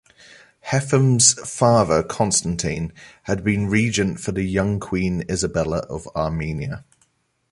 Hethum's father Constantine had been regent for the young Queen Isabella of Armenia.